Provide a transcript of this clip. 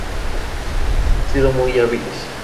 Han sido muy hábiles".